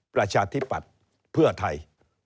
ประชาธิปัตย์เพื่อไทย